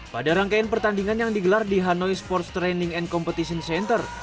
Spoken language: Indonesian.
pada rangkaian pertandingan yang digelar di hanoi sports training and competition center